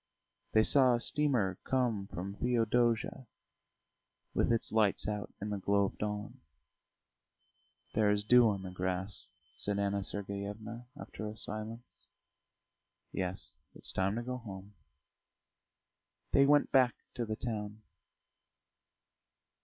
They saw a steamer come from Theodosia, with its lights out in the glow of dawn. "There is dew on the grass," said Anna Sergeyevna, after a silence. "Yes. It's time to go home." They went back to the town.